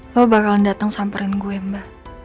lo bakalan dateng samperin gue mba